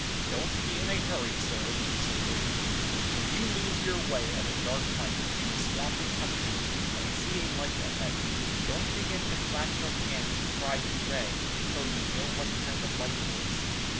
"'Don't be in a hurry, sir,' he said, gravely; 'when you lose your way of a dark night, in a swampy country, and see a light ahead, don't begin to clap your hands and cry hooray till you know what kind of light it is.